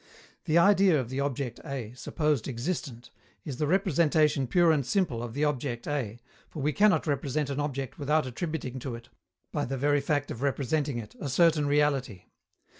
The idea of the object A, supposed existent, is the representation pure and simple of the object A, for we cannot represent an object without attributing to it, by the very fact of representing it, a certain reality.